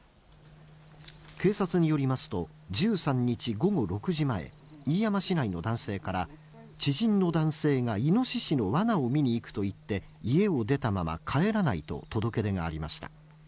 警察によりますと、１３日午後６時前、飯山市内の男性から、知人の男性がイノシシのわなを見に行くと言って、家を出たまま帰らないと届け出がありました。